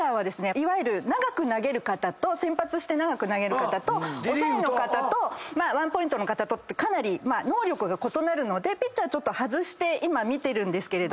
いわゆる長く投げる方と先発して長く投げる方と抑えの方とワンポイントの方とってかなり能力が異なるのでピッチャーはちょっと外して今見てるんですけれども。